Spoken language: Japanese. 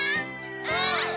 うん！